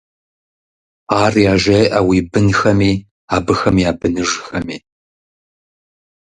Ар яжеӀэ уи бынхэми, абыхэм я быныжхэми…